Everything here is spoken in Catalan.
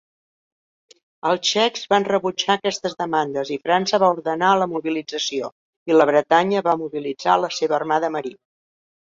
Els txecs van rebutjar aquestes demandes, i França va ordenar la mobilització i la Bretanya va mobilitzar la seva armada marina.